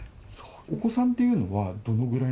お子さんっていうのは、どのぐらいの？